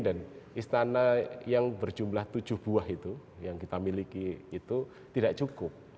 dan istana yang berjumlah tujuh buah itu yang kita miliki itu tidak cukup